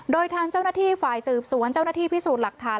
โดยทางเจ้าหน้าที่ฝ่ายสืบสวนเจ้าหน้าที่พิสูจน์หลักฐาน